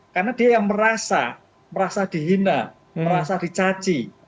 karena dia yang merasa merasa dihina merasa dicaci